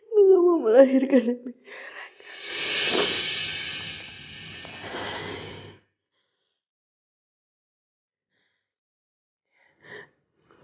belum mau melahirkan anak anak